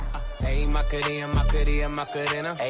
hey maka dia maka dia maka dia no